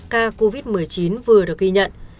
ca covid một mươi chín vừa được ghi nhận